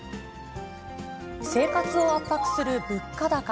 生活を圧迫する物価高。